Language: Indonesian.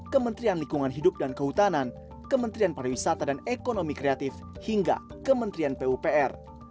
kementerian lingkungan hidup dan kehutanan kementerian pariwisata dan ekonomi kreatif hingga kementerian pupr